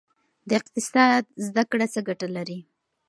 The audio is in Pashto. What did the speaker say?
د اقتصاد زده کړه څه ګټه لري؟